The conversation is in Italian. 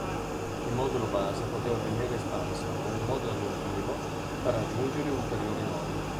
Il modulo base poteva venir espanso con un modulo aggiuntivo per aggiungere ulteriori nodi.